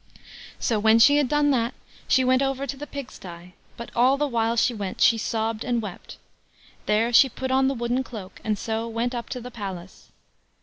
So when she had done that, she went over to the pig sty, but all the while she went she sobbed and wept. There she put on the wooden cloak, and so went up to the palace.